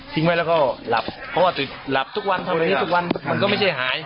ไว้แล้วก็หลับเพราะว่าติดหลับทุกวันทำแบบนี้ทุกวันมันก็ไม่ใช่หาย